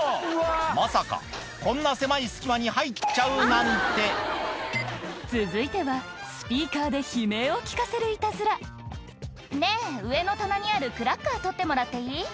まさかこんな狭い隙間に入っちゃうなんて続いてはスピーカーで悲鳴を聞かせるイタズラ「ねぇ上の棚にあるクラッカー取ってもらっていい？」